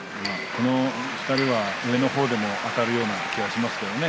この２人は上の方でもあたるような気がしますね。